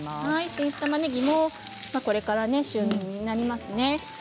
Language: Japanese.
新たまねぎもこれから旬になりますね。